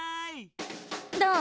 どう？